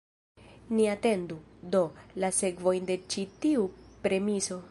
Ni atendu, do, la sekvojn de ĉi tiu premiso.